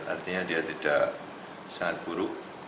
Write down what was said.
artinya dia tidak sangat buruk